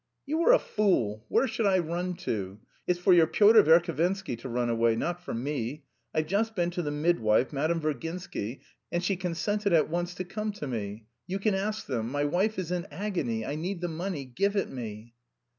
"You are a fool. Where should I run to? It's for your Pyotr Verhovensky to run away, not for me. I've just been to the midwife, Madame Virginsky, and she consented at once to come to me. You can ask them. My wife is in agony; I need the money; give it me!"